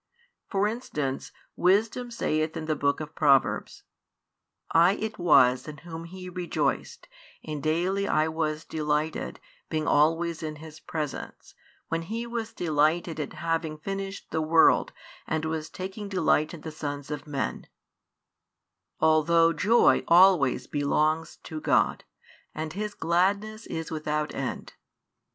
For instance, Wisdom saith in the Book of Proverbs: I it was in Whom He rejoiced, and daily I was |91 delighted, [being] always in His presence; when He was delighted at having finished the world, and was taking delight in the sons of men: although joy always belongs to God, and His gladness is without end.